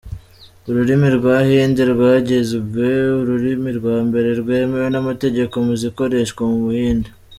Ururimi rwa Hindi rwagizwe ururimi rwa mbere rwemewe n’amategeko mu zikoreshwa mu buhinde.